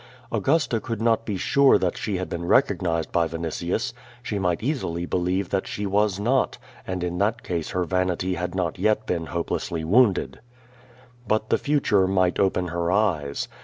Augusta could not be sure that she had been recognized by Vinitius. She might easily believe that she was not, and in that case her vanity had not yet been hopelessly woimded. But the future might open her eyes.